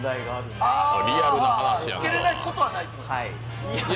つけれないことはないというね。